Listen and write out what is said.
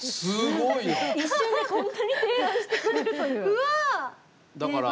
一瞬で、こんなに提案してくれるという。